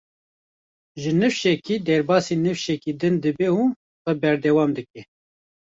Ji nifşekî derbasî nifşekî din dibe û xwe berdewam dike.